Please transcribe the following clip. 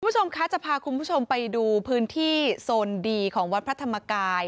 คุณผู้ชมคะจะพาคุณผู้ชมไปดูพื้นที่โซนดีของวัดพระธรรมกาย